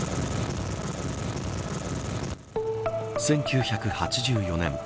１９８４年